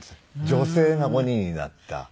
女性が鬼になった顔。